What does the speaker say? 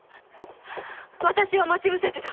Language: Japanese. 私を待ち伏せてた。